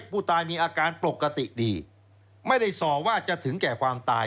ผู้ตายมีอาการปกติดีไม่ได้ส่อว่าจะถึงแก่ความตาย